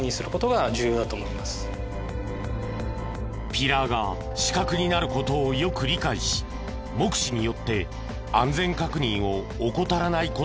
ピラーが死角になる事をよく理解し目視によって安全確認を怠らない事が必要。